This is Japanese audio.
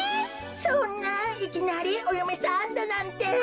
そんないきなりおよめさんだなんて。